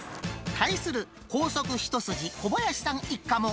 対する高速一筋、小林さん一家も。